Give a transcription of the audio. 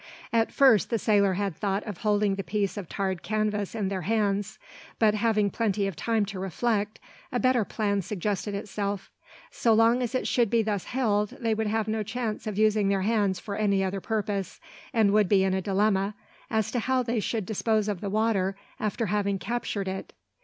At first the sailor had thought of holding the piece of tarred canvas in their hands; but having plenty of time to reflect, a better plan suggested itself. So long as it should be thus held, they would have no chance of using their hands for any other purpose; and would be in a dilemma as to how they should dispose of the water after having "captured it."